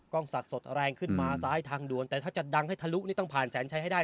งศักดิ์สดแรงขึ้นมาซ้ายทางด่วนแต่ถ้าจะดังให้ทะลุนี่ต้องผ่านแสนชัยให้ได้